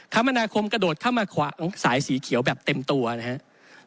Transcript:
คมนาคมกระโดดเข้ามาขวางสายสีเขียวแบบเต็มตัวนะครับ